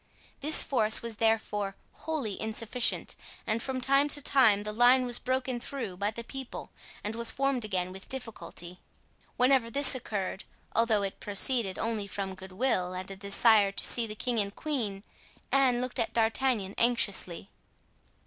This force was therefore wholly insufficient, and from time to time the line was broken through by the people and was formed again with difficulty. Whenever this occurred, although it proceeded only from goodwill and a desire to see the king and queen, Anne looked at D'Artagnan anxiously.